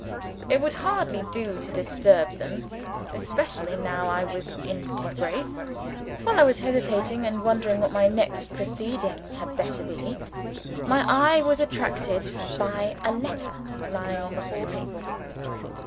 It would hardly do to disturb them especially now I was in disgrace. While I was hesitating, and wondering what my next proceeding had better be, my eye was attracted by a letter lying on the hall table.